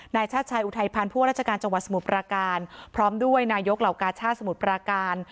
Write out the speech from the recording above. ชาติชายอุทัยพันธ์ผู้ว่าราชการจังหวัดสมุทรปราการพร้อมด้วยนายกเหล่ากาชาติสมุทรปราการ